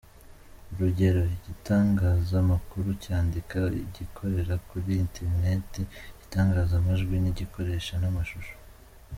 Urugero: Igitangazamakuru cyandika, Igikorera kuri interineti, Igitangaza amajwi n’igikoresha n’amashusho.